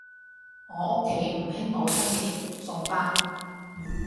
我屋企唔興母親節送花